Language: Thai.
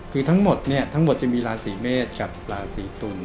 คือทั้งหมดเนี่ยทั้งหมดจะมีราศีเมษกับราศีตุล